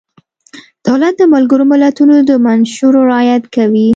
دولت د ملګرو ملتونو د منشورو رعایت کوي.